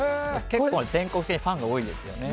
結構、全国的にファンが多いんですよね。